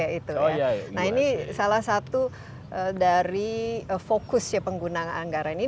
nah ini salah satu dari fokus penggunaan anggaran